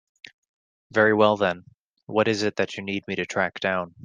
Very well then, what is it that you need me to track down?